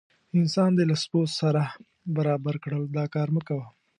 انسان دې له سپو سره برابر کړل دا کار مه کوه.